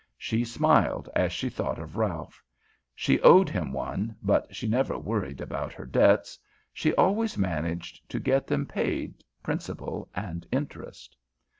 She smiled as she thought of Ralph. She owed him one, but she never worried about her debts. She always managed to get them paid, principal and interest.